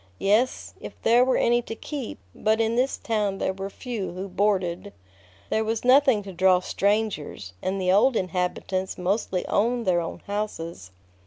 Yes, if there were any to keep; but in this town there were few who boarded. There was nothing to draw strangers, and the old inhabitants mostly owned their own houses.